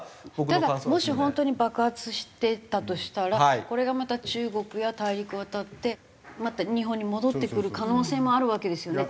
ただもし本当に爆発してたとしたらこれがまた中国や大陸を渡ってまた日本に戻ってくる可能性もあるわけですよね。